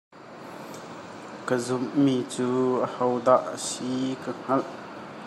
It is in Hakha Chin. Ka zumh mi cu a ho dah a si ka hngalh.